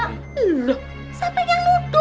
sampai nyanggut tuh